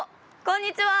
こんにちは。